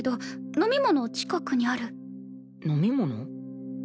飲み物？